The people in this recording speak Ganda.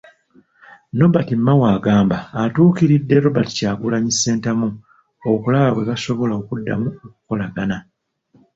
Nobert Mao agamba atuukiridde Robert Kyagulanyi Ssentamu okulaba bwe basobola okuddamu okukolagana.